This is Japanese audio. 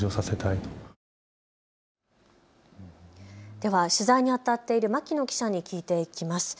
では取材にあたっている牧野記者に聞いていきます。